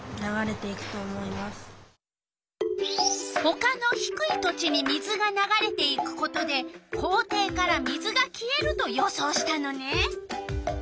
ほかのひくい土地に水がながれていくことで校庭から水が消えると予想したのね。